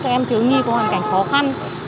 các em thiếu nghi có hoàn cảnh khó khăn